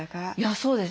そうですね。